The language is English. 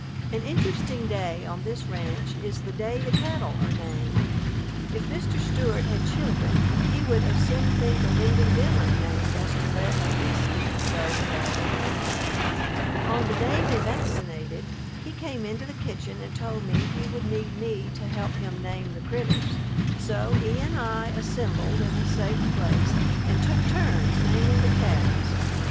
An interesting day on this ranch is the day the cattle are named. If Mr. Stewart had children he would as soon think of leaving them unnamed as to let a "beastie" go without a name. On the day they vaccinated he came into the kitchen and told me he would need me to help him name the "critters." So he and I "assembled" in a safe place and took turns naming the calves.